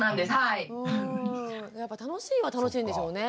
やっぱ楽しいは楽しいんでしょうね。